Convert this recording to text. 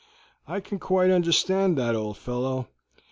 "I can quite understand that, old fellow.